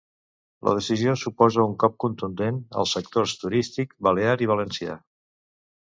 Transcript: La decisió suposa un cop contundent als sectors turístics balear i valencià.